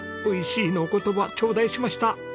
「おいしい」の言葉ちょうだいしました！